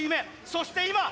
そして今！